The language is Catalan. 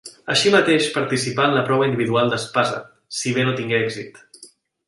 Així mateix participà en la prova individual d'espasa, si bé no tingué èxit.